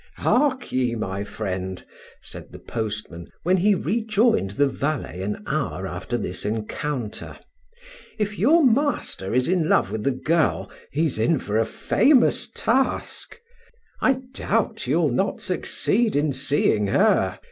"Hark ye, my friend," said the postman, when he rejoined the valet an hour after this encounter, "if your master is in love with the girl, he is in for a famous task. I doubt you'll not succeed in seeing her.